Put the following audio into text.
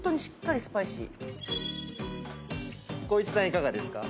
いかがですか？